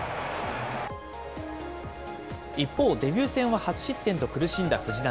一方、デビュー戦は８失点と苦しんだ藤浪。